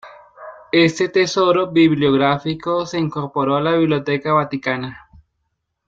Este tesoro bibliográfico se incorporó a la Biblioteca Vaticana.